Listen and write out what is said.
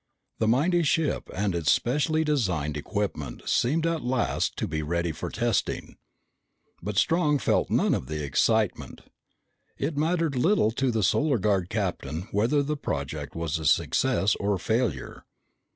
The mighty ship and its specially designed equipment seemed at last to be ready for testing. But Strong felt none of the excitement. It mattered little to the Solar Guard captain whether the project was a success or failure.